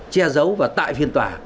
che giấu và tại phiên tòa